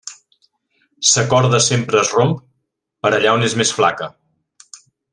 Sa corda sempre es romp per allà on és més flaca.